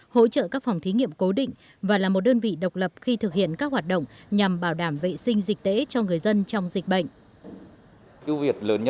hỗ trợ các phòng thí nghiệm cố định và là một đơn vị độc lập khi thực hiện các hoạt động nhằm bảo đảm vệ sinh dịch tễ cho người dân trong dịch bệnh